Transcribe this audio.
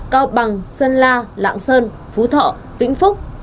cao bằng sơn la lạng sơn phú thọ vĩnh phúc